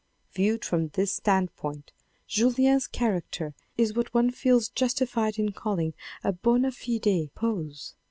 Viewed from this standpoint Julien's character is what one feels justified in calling a bond fide pose.